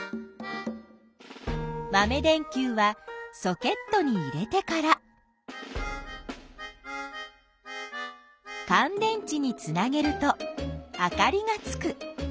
まめ電きゅうはソケットに入れてからかん電池につなげるとあかりがつく。